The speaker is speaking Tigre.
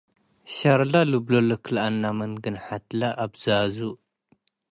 ሸሩ ልብሎ ልክለአነ - ምን ግንሐትለ አብዛዙ፣